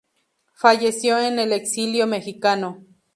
Falleció en el exilio mexicano.